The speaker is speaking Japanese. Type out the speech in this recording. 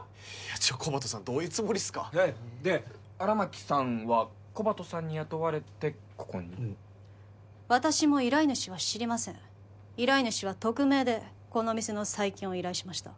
コバトさんどういうつもりっすかで荒牧さんはコバトさんに雇われてここに私も依頼主は知りません依頼主は匿名でこの店の再建を依頼しました